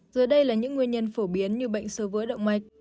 dưới đây là những nguyên nhân phổ biến như bệnh sơ vứa động mạch